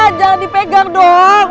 gak ada jangan dipegang dong